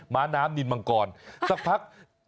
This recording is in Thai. ้าน้ำนินมังกรสักพัก